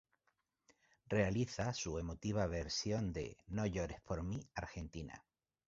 Realiza su emotiva versión de "No Llores Por Mi Argentina".